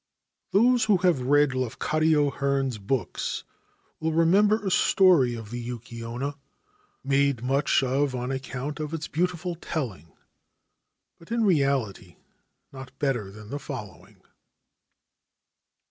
Those who have read Lafcadio Hearn's books will remember a story of the Yuki Onna, made much of on account of its beautiful telling, but in reality not better than the following.